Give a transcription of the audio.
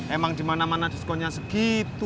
emang dimana mana diskonnya segitu